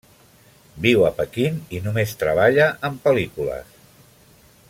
Viu a Pequín i només treballa amb pel·lícules.